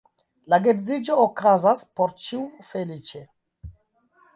La geedziĝo okazas, por ĉiu feliĉe.